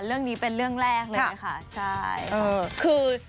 เรื่องนี้เป็นเรื่องแรกเลยค่ะ